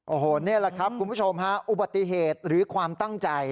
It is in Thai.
โอ้โหนี่แหละครับคุณผู้ชมฮะอุบัติเหตุหรือความตั้งใจ